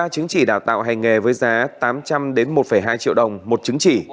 ba chứng chỉ đào tạo hành nghề với giá tám trăm linh một hai triệu đồng một chứng chỉ